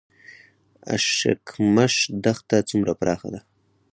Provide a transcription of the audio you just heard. اشکمش دښته څومره پراخه ده؟